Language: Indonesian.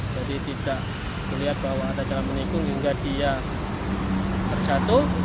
jadi tidak melihat bahwa ada jalan menikung hingga dia terjatuh